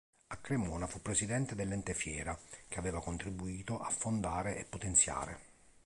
A Cremona fu presidente dell'Ente Fiera, che aveva contribuito a fondare e potenziare.